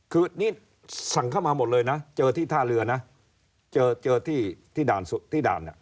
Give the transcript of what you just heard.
คือนี่สั่งเข้ามาหมดเลยนะเจอที่ท่าเรือนะเจอเจอที่ด่าน